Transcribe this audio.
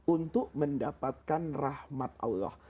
untuk mendapatkan rahmat allah